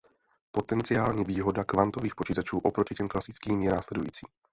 Potenciální výhoda kvantových počítačů oproti těm klasickým je následující.